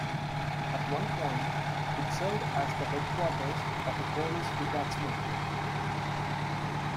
At one point, it served as the headquarters of a police detachment.